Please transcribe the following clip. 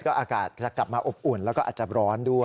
อากาศจะกลับมาอบอุ่นแล้วก็อาจจะร้อนด้วย